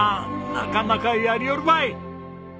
なかなかやりおるばい！